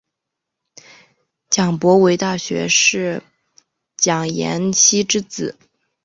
蒋溥为大学士蒋廷锡之子。